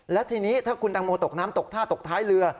และทีนี้ถ้าคุณตังโมตกน้ำตกท่าตกท้ายเรือ